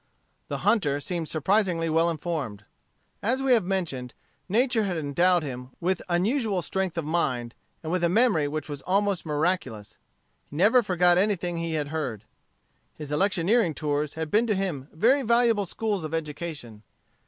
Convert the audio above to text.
The hunter seemed surprisingly well informed. As we have mentioned, nature had endowed him with unusual strength of mind, and with a memory which was almost miraculous. He never forgot anything he had heard. His electioneering tours had been to him very valuable schools of education.